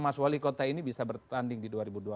mas wali kota ini bisa bertanding di